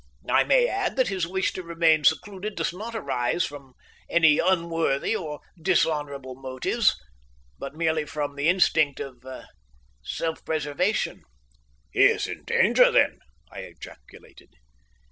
I may add that his wish to remain secluded does not arise from any unworthy or dishonourable motives, but merely from the instinct of self preservation." "He is in danger, then?" I ejaculated.